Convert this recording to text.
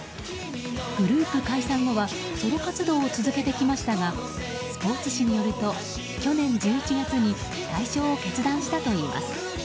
グループ解散後はソロ活動を続けてきましたがスポーツ紙によると去年１１月に退所を決断したといいます。